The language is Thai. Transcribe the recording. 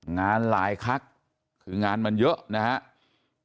หลายคักคืองานมันเยอะนะครับ